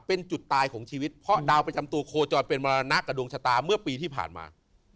เป็นจุดตายของชีวิตเพราะดาวประจำตัวโคจรเป็นมรณะกับดวงชะตาเมื่อปีที่ผ่านมา